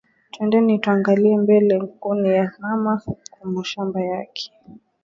Twendeni twangarie mbele nkuni ya mama ku mashamba yake